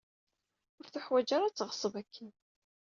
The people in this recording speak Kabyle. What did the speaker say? Ur tuḥwaǧ ara ad teɣṣeb akken.